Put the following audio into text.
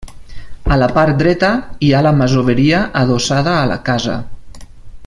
A la part dreta, hi ha la masoveria, adossada a la casa.